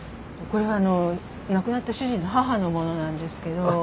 これは亡くなった主人の母のものなんですけど。